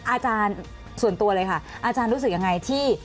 อาจารย์ส่วนตัวเลยค่ะอาจารย์รู้สึกยังไงที่